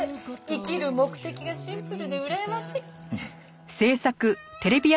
生きる目的がシンプルでうらやましい。